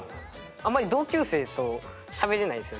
あんまり同級生としゃべれないんですよ